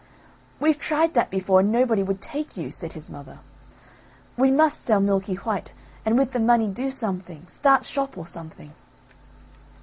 "We've tried that before, and nobody would take you," said his mother; "we must sell Milky white and with the money do something, start shop, or something."